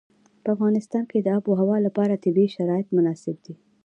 په افغانستان کې د آب وهوا لپاره طبیعي شرایط مناسب دي.